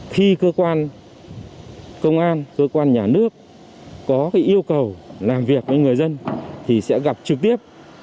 khi cơ quan công an cơ quan nhà nước có yêu cầu làm việc với người dân thì sẽ gặp trực tiếp